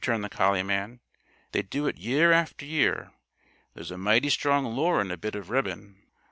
returned the collie man. "They do it year after year. There's a mighty strong lure in a bit of ribbon.